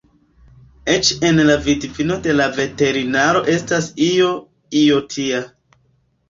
Eĉ en la vidvino de la veterinaro estas io, io tia.